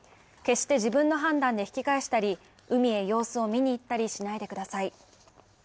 決して自分の判断で引き返したり、海へ様子を見に行ったりしないでください。